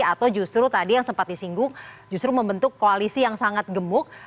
atau justru tadi yang sempat disinggung justru membentuk koalisi yang sangat gemuk